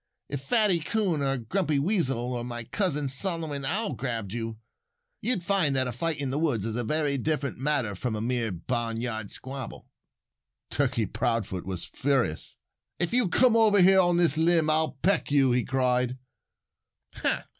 "If Fatty Coon or Grumpy Weasel or my cousin Solomon Owl grabbed you, you'd find that a fight in the woods is a very different matter from a mere barnyard squabble." Turkey Proudfoot was furious. "If you'll come over here on this limb I'll peck you," he cried.